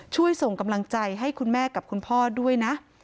ช่วยส่งกำลังใจให้คุณแม่กับคุณพ่อด้วยนะ